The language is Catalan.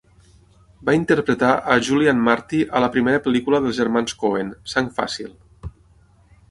Va interpretar a Julian Marty a la primera pel·lícula dels germans Coen, "Sang fàcil".